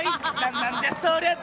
なんじゃそりゃ。